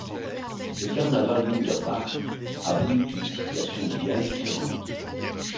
Le carnaval d’Unterbach abrite une situation bien différente.